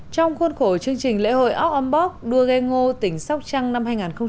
trong khuôn khổ chương trình lễ hội out unboxed đua ghe ngo tỉnh sóc trăng năm hai nghìn một mươi sáu